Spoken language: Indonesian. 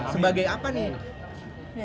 sebagai apa nih